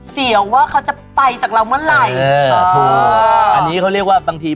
ที่เต็มใจแตดีมากเลยก็มีเสียวว่าเขาจะไปจากเราเมื่อไหร่